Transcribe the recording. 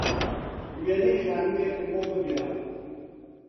وێنەی خانووێکم بۆ بگرە